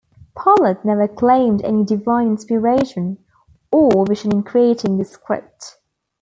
Pollard never claimed any divine inspiration or vision in creating the script.